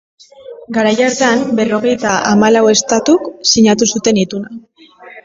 Garai hartan, berrogeita hamalau estatuk sinatu zuten Ituna.